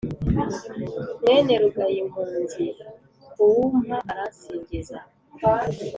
Mwene Rugayimpunzi kuwumpa aransingiza